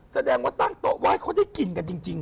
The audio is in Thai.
แสดงว่าตั้งโต๊ะไหว้เขาได้กินกันจริง